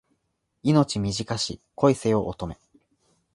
命短し恋せよ乙女